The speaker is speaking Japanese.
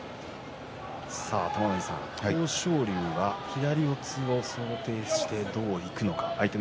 玉ノ井さん豊昇龍は左四つを想定してどういくのか。